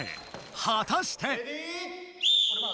はたして。